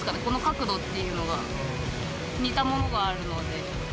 この角度っていうのが似たものがあるので。